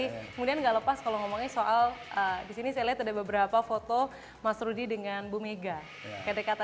kemudian nggak lepas kalau ngomongin soal disini saya lihat ada beberapa foto mas rudy dengan bu mega